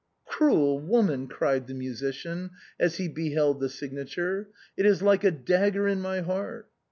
" Cruel woman !" cried the musician, as he beheld the signature ;" it is like a dagger in my heart."